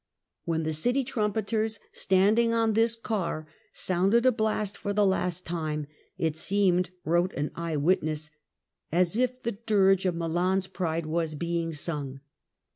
When the city trumpeters, standing on this car, sounded a blast for the last time, it seemed, wrote an eye witness, as if the dirge of Milan's pride were being sung.